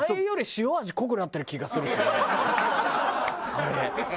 あれ。